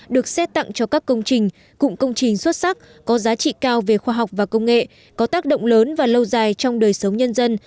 được xét tặng cho các công trình cụm công trình xuất sắc có giá trị cao về khoa học và công nghệ có tác động lớn và lâu dài trong đời sống nhân dân